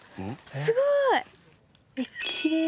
すごい。